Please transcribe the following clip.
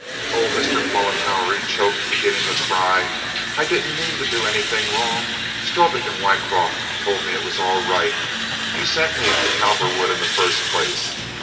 "Oh, Mr. Mollenhauer," he choked, beginning to cry, "I didn't mean to do anything wrong. Strobik and Wycroft told me it was all right. You sent me to Cowperwood in the first place.